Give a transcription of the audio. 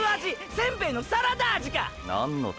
せんべいのサラダ味か！！